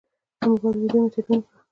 د موبایل ویدیو مې تدوین کړه.